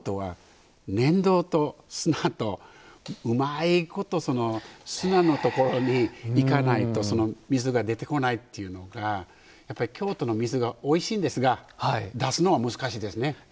京都は粘土と砂とうまいこと砂のところに砂のところに行かないと水が出てこないというのは京都の水がおいしいんですが出すのは難しいですね。